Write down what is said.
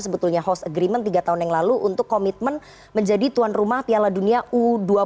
sebetulnya host agreement tiga tahun yang lalu untuk komitmen menjadi tuan rumah piala dunia u dua puluh dua ribu dua puluh tiga